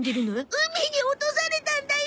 海に落とされたんだよ！